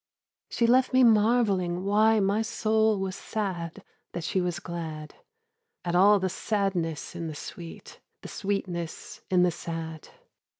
She left me marvelling why my soul Was sad that she was glad; At all the sadness in the sweet, The sweetness in the sad.